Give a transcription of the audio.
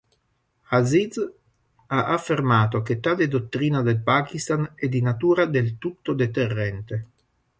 Aziz ha affermato che tale dottrina del Pakistan è di natura del tutto deterrente.